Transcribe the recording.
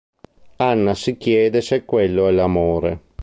Anna si chiede se quello è l'amore.